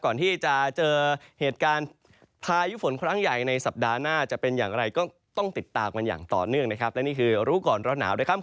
คุณผู้ชมดูภาพอากาศหลังจากนี้เนี่ยนะครับบริเวณตอนกลางประเทศช่วงเช้าวันนี้เนี่ยนะครับ